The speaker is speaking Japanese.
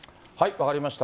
分かりました。